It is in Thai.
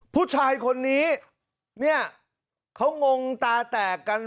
ผู้ชายคนนี้เนี่ยเขางงตาแตกกัน